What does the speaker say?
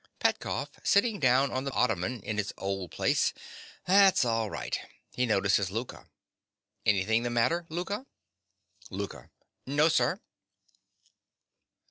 PETKOFF. (sitting down on the ottoman in his old place). That's all right. (He notices Louka.) Anything the matter, Louka? LOUKA. No, sir.